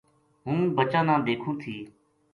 ہوں بچاں نا دیکھوں تھی